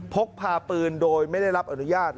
พกพาปืนโดยไม่ได้รับอนุญาต